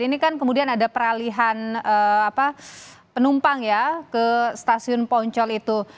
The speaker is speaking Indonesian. ini kan kemudian ada peralihan penumpang ya ke stasiun poncol itu